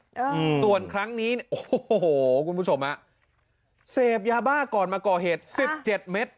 อืมส่วนครั้งนี้โอ้โหคุณผู้ชมฮะเสพยาบ้าก่อนมาก่อเหตุสิบเจ็ดเม็ด